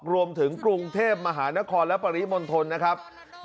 รวมถึงกรุงเทพมหานครและปริมณฑลนะครับ